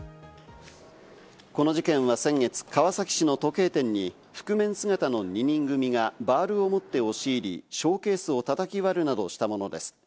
この事件は先月、川崎市の時計店に、覆面姿の２人組がバールを持って押し入り、ショーケースをたたき割るなどしたものです。